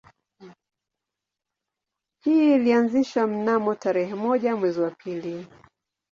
Hii ilianzishwa mnamo tarehe moja mwezi wa pili